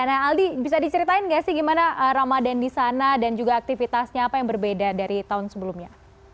nah aldi bisa diceritain nggak sih gimana ramadan di sana dan juga aktivitasnya apa yang berbeda dari tahun sebelumnya